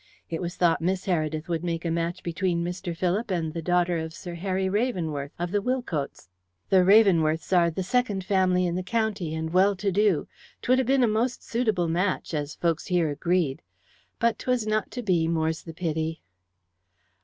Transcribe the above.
It was thought Miss Heredith would make a match between Mr. Philip and the daughter of Sir Harry Ravenworth, of the Wilcotes. The Ravenworths are the second family in the county, and well to do. 'Twould a'been a most suitable match, as folk here agreed. But 'twas not to be, more's the pity."